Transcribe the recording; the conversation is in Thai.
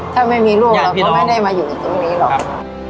ถ้าไม่มีลูกเราก็ไม่ได้มาอยู่ตรงนี้หรอก